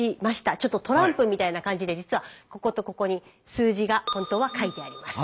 ちょっとトランプみたいな感じで実はこことここに数字が本当は書いてあります。